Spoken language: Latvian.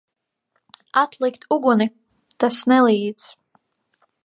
Atlikt uguni! Tas nelīdz.